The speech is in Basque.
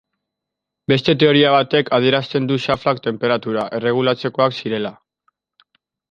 Beste teoria batek adierazten du xaflak tenperatura erregulatzekoak zirela.